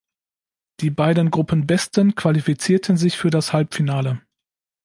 Die beiden Gruppenbesten qualifizierten sich für das Halbfinale.